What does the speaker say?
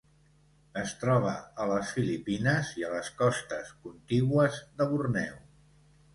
Es troba a les Filipines i a les costes contigües de Borneo.